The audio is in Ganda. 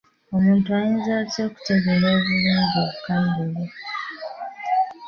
Omuntu ayinza atya okutegekera obulungi obukadde bwe?